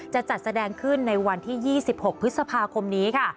จะจัดแสดงขึ้นในวันที่๒๖พฤษภาคมนี้ค่ะ